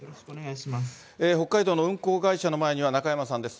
北海道の運航会社の前には中山さんです。